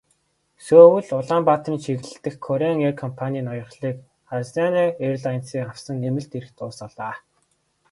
Сөүл-Улаанбаатарын чиглэл дэх Кореан эйр компанийн ноёрхлыг Азиана эйрлайнсын авсан нэмэлт эрх дуусгалаа.